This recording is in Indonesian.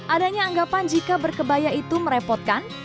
adanya anggapan jika berkebaya itu merepotkan